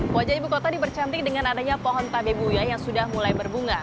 wajah ibu kota dipercantik dengan adanya pohon tabebuya yang sudah mulai berbunga